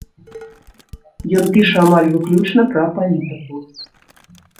Ён піша амаль выключна пра палітыку.